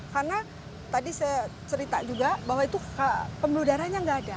karena tadi saya cerita juga bahwa itu pemeludaranya nggak ada